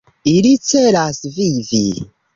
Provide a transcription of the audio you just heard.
Ili celas vivi.